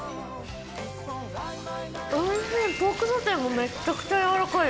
おいしいポークソテーもめっちゃくちゃ軟らかいです。